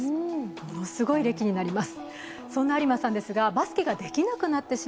ものすごい歴になります。